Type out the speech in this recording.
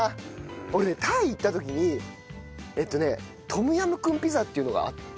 俺ねタイ行った時にえっとねトムヤムクンピザっていうのがあって。